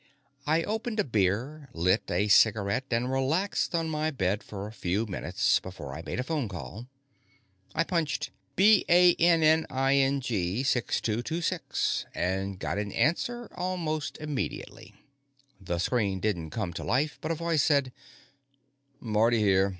I opened a beer, lit a cigarette, and relaxed on my bed for a few minutes before I made a phone call. I punched BANning 6226, and got an answer almost immediately. The screen didn't come to life, but a voice said: "Marty here.